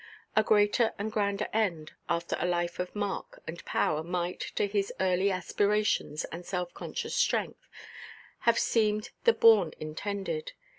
A greater and a grander end, after a life of mark and power, might, to his early aspirations and self–conscious strength, have seemed the bourne intended.